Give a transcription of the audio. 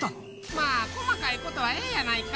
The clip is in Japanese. まあ細かいことはええやないか。